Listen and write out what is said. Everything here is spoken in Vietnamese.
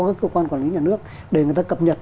các cơ quan quản lý nhà nước để người ta cập nhật